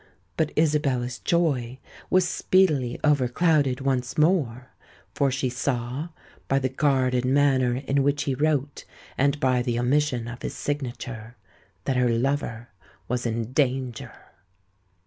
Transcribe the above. But Isabella's joy was speedily overclouded once more; for she saw, by the guarded manner in which he wrote and by the omission of his signature, that her lover was in danger.